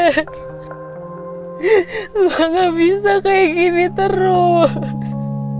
aku tak bisa kayak gini terus